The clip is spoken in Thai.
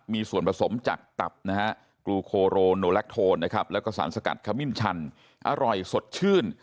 มีส่วนผสมจากตับนะฮะกลูโคโรโนแลคโทนนะครับแล้วก็สารสกัดขมิ้นชันอร่อยสดชื่น